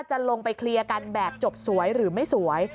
จะลงไปเคลียร์กันแบบจบสวยหรือไม่สวย